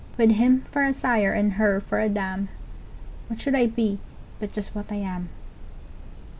With him for a sire and her for a dam, What should I be but just what I am?